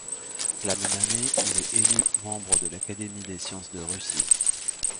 La même année, il est élu membre de l'Académie des sciences de Russie.